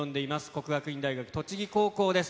國學院大學栃木高校です。